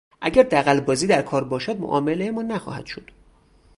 اگر دغلبازی در کار باشد معاملهمان نخواهد شد.